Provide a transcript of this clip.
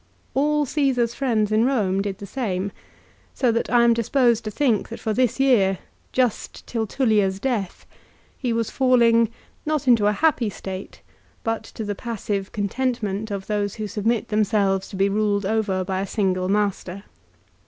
All Caesar's friends in Eome did the same ; so that I am disposed to think that for this year, just till Tullia's death, he was falling, not into a happy state, but to the passive contentment of those who submit themselves to be ruled over by a single master.